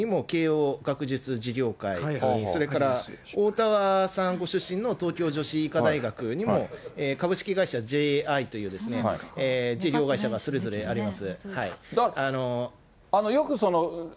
橋本さんご出身の慶應義塾大学にも慶應学術事業会という、それからおおたわさんご出身の東京女子医科大学にも株式会社ＪＩという、事業会社がそれぞれあります。